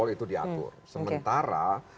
itu diatur sementara